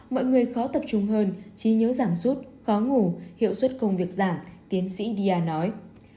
mọi người khó tập trung hơn trí nhớ giảm suốt khó ngủ hiệu suất công việc giảm tiến sĩ dia nói